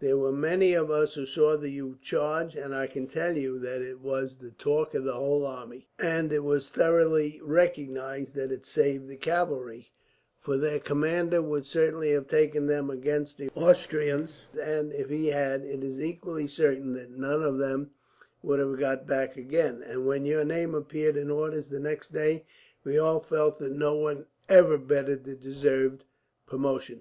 There were many of us who saw your charge; and I can tell you that it was the talk of the whole army, next day, and it was thoroughly recognized that it saved the cavalry; for their commander would certainly have taken them against the Austrians and, if he had, it is equally certain that none of them would have got back again; and when your name appeared in orders the next day, we all felt that no one ever better deserved promotion."